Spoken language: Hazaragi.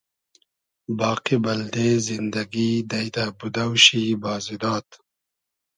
باقی بئلدې زیندئگی دݷدۂ بودۆ شی بازی داد